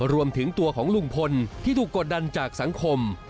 รวมถึงตัวของลุงพลที่ถูกกดดันจากสังคม